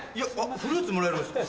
フルーツもらえるんですか？